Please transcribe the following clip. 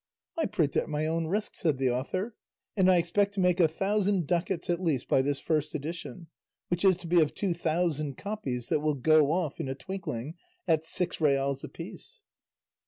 "I print at my own risk," said the author, "and I expect to make a thousand ducats at least by this first edition, which is to be of two thousand copies that will go off in a twinkling at six reals apiece."